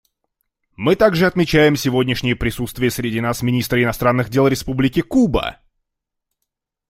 Мы также отмечаем сегодняшнее присутствие среди нас министра иностранных дел Республики Куба.